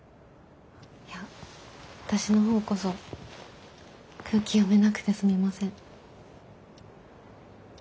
いや私の方こそ空気読めなくてすみません。